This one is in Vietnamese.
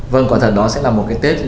vâng quả thật đó sẽ là một cái tết